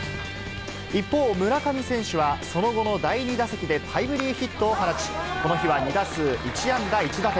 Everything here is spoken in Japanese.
一方、村上選手はその後の第２打席でタイムリーヒットを放ち、この日は２打数１安打１打点。